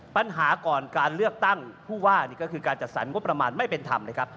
ปัญหาก่อนการเลือกตั้งผู้ว่านี่ก็คือการจัดสรรงบประมาณไม่เป็นธรรมนะครับ